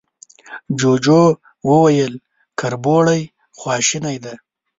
جوجو وويل، کربوړی خواشينی دی.